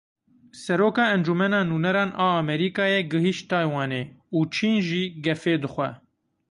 Seroka Encûmena Nûneran a Amerîkayê gihîşt Taywanê û Çîn jî gefê dixwe.